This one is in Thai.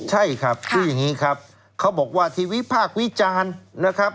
ใช่ครับคืออย่างนี้ครับเขาบอกว่าที่วิพากษ์วิจารณ์นะครับ